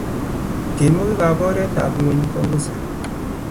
tienwokik ap oret ap ngueny kongusa